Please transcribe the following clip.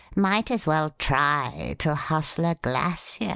Might as well try to hustle a glacier."